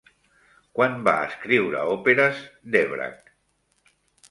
Quan va escriure òperes Dvořák?